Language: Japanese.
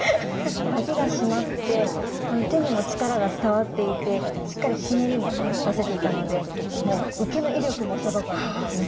脇が締まって手にも力が伝わっていてしっかりひねりも出せていたので受けの威力もすごかったですね。